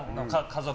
家族。